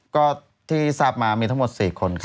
ก็ที่ทราบมามีทั้งหมด๔คนค่ะ